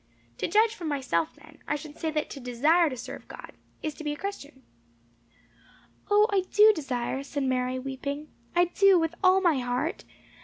To judge from myself, then, I should say that to desire to serve God, is to be a Christian." "O, I do desire," said Mary, weeping. "I do, with all my heart.